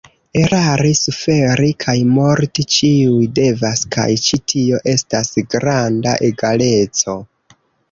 Erari, suferi kaj morti ĉiuj devas kaj ĉi tio estas granda egaleco.